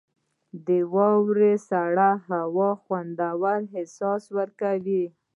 • د واورې سړه هوا خوندور احساس ورکوي.